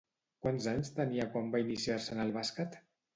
Quants anys tenia quan va iniciar-se en el bàsquet?